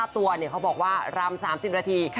ตัวเนี่ยเค้าบอกว่ารำ๓๐นาที